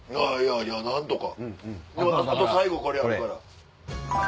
あと最後これやから。